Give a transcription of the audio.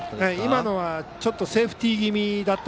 今のはちょっとセーフティー気味でした。